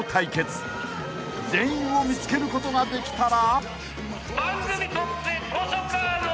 ［全員を見つけることができたら］